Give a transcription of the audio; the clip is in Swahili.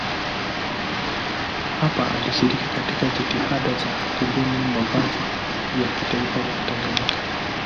Hapa alishiriki katika jitihada za kubuni mavazi ya kitaifa ya Tanganyika.